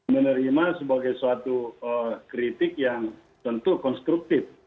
menerima sebagai suatu kritik yang tentu konstruktif